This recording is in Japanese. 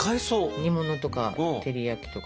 煮物とか照り焼きとか。